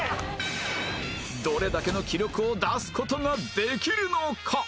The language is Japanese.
どれだけの記録を出す事ができるのか？